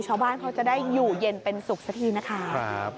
ชาวบ้านเขาจะได้อยู่เย็นเป็นสุขสักทีนะคะ